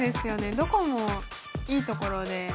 どこもいいところで。